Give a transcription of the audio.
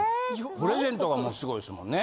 プレゼントがもうすごいですもんね。